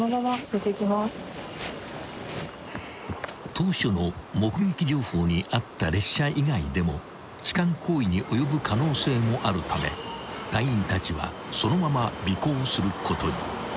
［当初の目撃情報にあった列車以外でも痴漢行為に及ぶ可能性もあるため隊員たちはそのまま尾行することに］